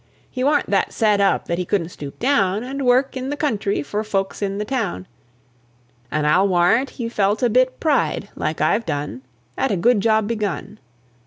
He warn't that set up that He couldn't stoop down And work in the country for folks in the town; And I'll warrant He felt a bit pride, like I've done, At a good job begun.